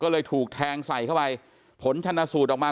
ก็เลยถูกแทงใส่เข้าไปผลชนสูตรออกมา